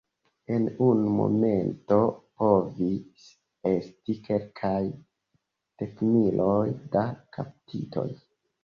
En unu momento povis esti kelkaj dekmiloj da kaptitoj.